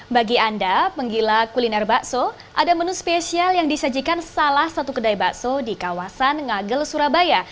bagi anda penggila kuliner bakso ada menu spesial yang disajikan salah satu kedai bakso di kawasan ngagel surabaya